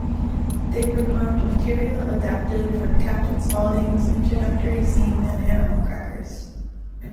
They performed material adapted from Captain Spaulding's introductory scene in "Animal Crackers".